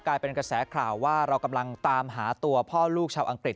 กลายเป็นกระแสข่าวว่าเรากำลังตามหาตัวพ่อลูกชาวอังกฤษ